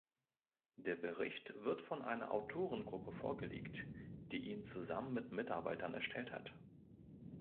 Der Bericht wird von einer Autorengruppe vorgelegt, die ihn zusammen mit Mitarbeitern erstellt hat.